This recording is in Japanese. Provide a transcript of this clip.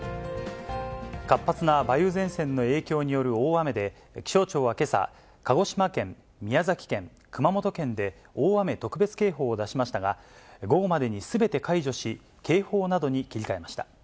活発な梅雨前線の影響による大雨で、気象庁はけさ、鹿児島県、宮崎県、熊本県で大雨特別警報を出しましたが、午後までにすべて解除し、警報などに切り替えました。